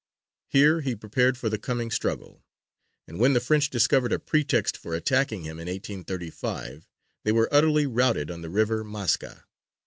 Here he prepared for the coming struggle; and when the French discovered a pretext for attacking him in 1835, they were utterly routed on the river Maska.